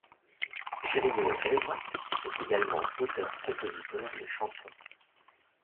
Jérémie Lefebvre est également auteur-compositeur de chansons.